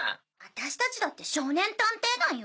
私達だって少年探偵団よ！